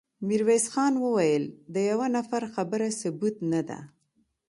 ميرويس خان وويل: د يوه نفر خبره ثبوت نه ده.